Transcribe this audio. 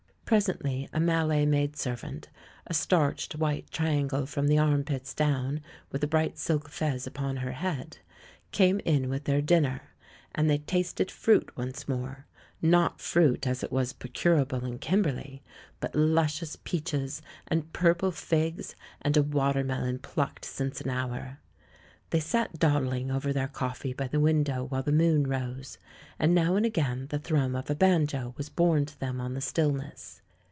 Presently a ]\Ialay maidservant — a starched, white triangle from the arm pits down, with a bright silk fez upon her head — came in with their dinner, and they tasted fruit once more; not fruit as it was procurable in Kunberley, but luscious peaches, and purple figs, and a watermelon plucked since an hour. They sat dawdhng over their coffee by the win dow while the moon rose, and now and again the thrum of a banjo was borne to them on the still ness.